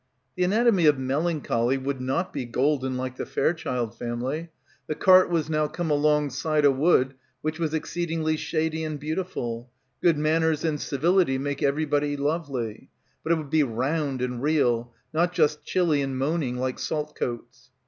"The Anatomy of Melancholy" would not be golden like "The Fairchild Family" ... "the cart was now come alongside a wood which was exceedingly shady and beautiful"; "good man ners and civility make everybody lovely"; but it would be round and real, not just chilly and moaning like "Saltcoats."